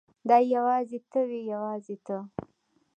دا یوازې ته وې یوازې ته.